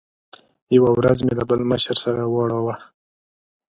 یوه ورځ مې له بل مشر سره واړاوه.